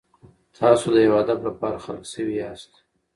تاسو د یو هدف لپاره خلق شوي یاست.